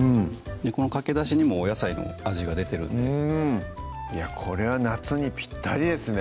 このかけだしにもお野菜の味が出てるんでこれは夏にぴったりですね